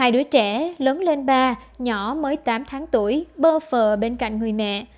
hai đứa trẻ lớn lên ba nhỏ mới tám tháng tuổi bơ phờ bên cạnh người mẹ